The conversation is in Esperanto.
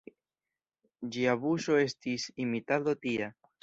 Ĝia buŝo estis imitado tia.